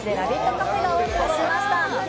カフェがオープンしました。